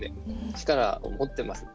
力を持ってます。